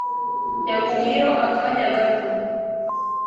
Yagumyeyo akanya gato.